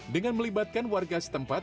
dengan melibatkan warga setempat